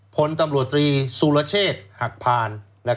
พรตำรวจตรีสุรเชษหักพาล